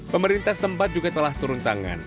pemerintah setempat juga telah turun tangan